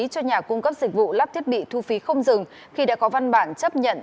cho nhà cung cấp dịch vụ lắp thiết bị thu phí không dừng khi đã có văn bản chấp nhận